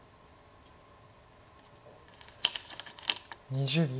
２０秒。